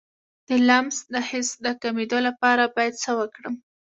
د لمس د حس د کمیدو لپاره باید څه وکړم؟